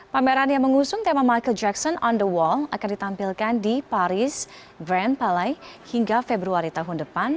pameran yang mengusung tema michael jackson on the wall akan ditampilkan di paris grand palai hingga februari tahun depan